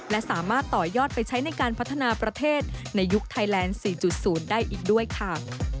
และสามารถต่อยอดไปใช้ในการพัฒนาประเทศในยุคไทยแลนด์๔๐ได้อีกด้วยค่ะ